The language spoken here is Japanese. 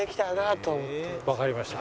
わかりました。